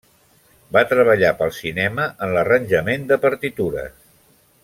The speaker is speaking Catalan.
Va treballar pel cinema en l'arranjament de partitures.